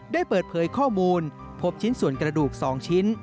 ได้เปิดเผยข้อมูลพบชิ้นส่วนกระดูก๒ชิ้น